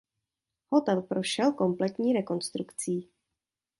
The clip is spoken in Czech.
Hotel prošel kompletní rekonstrukcí.